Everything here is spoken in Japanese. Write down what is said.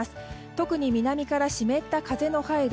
特に南から湿った風の入る